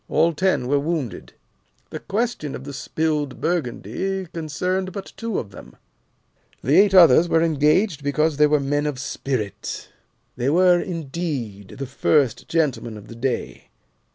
All ten were wounded. The question of the spilled Burgundy concerned but two of them. The eight others engaged because they were men of 'spirit.' They were, indeed, the first gentlemen of the day.